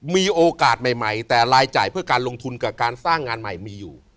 มีโอกาสใหม่แต่รายจ่ายเพื่อการลงทุนกับการสร้างงานใหม่มีอยู่